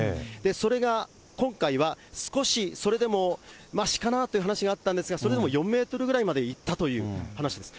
それが今回は、少しそれでも、ましかなという話があったんですが、それでも４メートルぐらいまで行ったという話です。